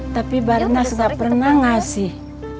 tapi barna juga gak pernah ngasih